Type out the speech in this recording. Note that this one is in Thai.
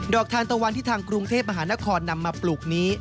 อกทานตะวันที่ทางกรุงเทพมหานครนำมาปลูกนี้